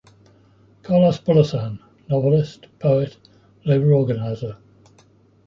Carlos Bulosan, novelist, poet, labor organizer.